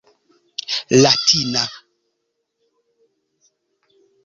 latina